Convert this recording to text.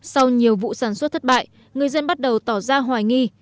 sau nhiều vụ sản xuất thất bại người dân bắt đầu tỏ ra hoài nghi